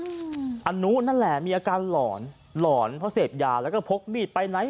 อนุนั่นแหละมีอาการหลอนหลอนเพราะเสพยาแล้วก็พกมีดไปไหน